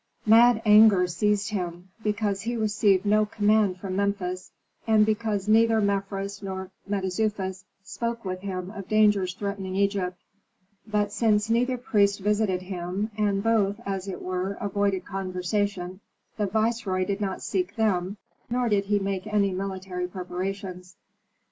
Mad anger seized him, because he received no command from Memphis, and because neither Mefres nor Mentezufis spoke with him of dangers threatening Egypt. But since neither priest visited him, and both, as it were, avoided conversation, the viceroy did not seek them, nor did he make any military preparations.